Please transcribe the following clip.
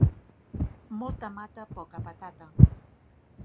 Molta mata, poca patata.